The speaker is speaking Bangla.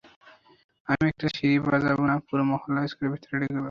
আমি একটা সিঁড়ি বাজাবো না পুরো মহল্লা স্কুলের ভিতেরে ঢুকে পড়বে!